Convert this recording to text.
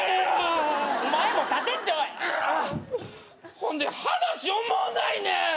ほんで話おもんないねん！